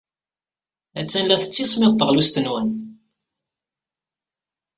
Attan la tettismiḍ teɣlust-nwen.